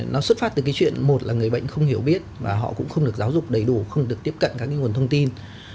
nó xuất phát từ cái chuyện một là người bệnh không hiểu biết và họ cũng không được giáo dục đầy đủ không được tiếp cận các cái nguồn thông tin